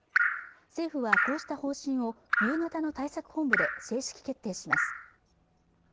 政府はこうした方針を夕方の対策本部で正式決定します